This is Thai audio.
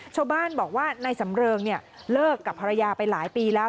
ชาวบ้านบอกว่านายสำเริงเลิกกับภรรยาไปหลายปีแล้ว